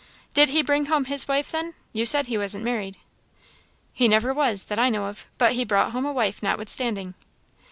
"Did he bring home his wife then? You said he wasn't married." "He never was, that I know of; but he brought home a wife notwithstanding."